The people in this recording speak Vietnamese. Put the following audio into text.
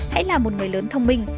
hãy là một người lớn thông minh